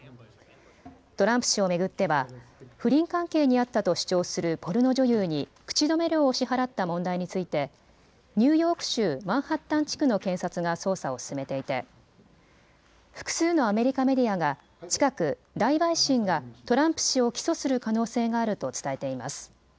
トランプ氏を巡っては不倫関係にあったと主張するポルノ女優に口止め料を支払った問題についてニューヨーク州マンハッタン地区の検察が捜査を進めていて複数のアメリカメディアが近く大陪審がトランプ氏を起訴する可能性があると伝えています。